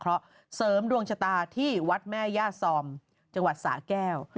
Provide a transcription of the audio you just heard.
เพราะเสริมดวงชะตาที่วัดแม่ย่าซอมจังหวัดสาแก้ว